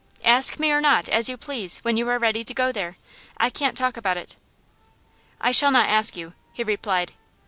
'Ask me or not, as you please, when you are ready to go there. I can't talk about it.' 'I shall not ask you,' he replied.